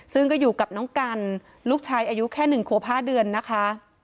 ซึ่งก็อยู่กับน้องกันลูกชายอายุแค่๑ขวบ๕เดือนนะคะ